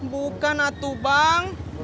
bukan atuh bang